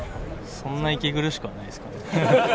そんな息苦しくはないですかね。